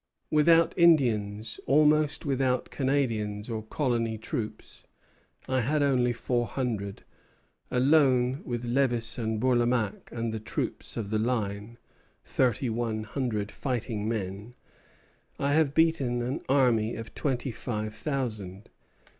"Without Indians, almost without Canadians or colony troops, I had only four hundred, alone with Lévis and Bourlamaque and the troops of the line, thirty one hundred fighting men, I have beaten an army of twenty five thousand.